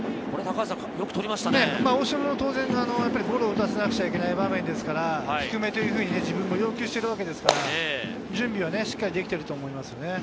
大城はゴロを打たせなくちゃいけない場面ですから、低めというふうに自分も要求しているわけですから、準備はしっかりできていると思いますね。